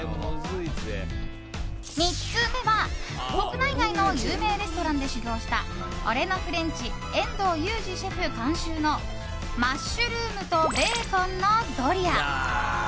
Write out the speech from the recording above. ３つ目は、国内外の有名レストランで修業した俺のフレンチ遠藤雄二シェフ監修のマッシュルームとベーコンのドリア！